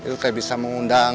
rete bisa mengundang